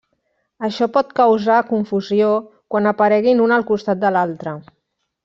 Això pot causar confusió quan apareguin un al costat de l'altre.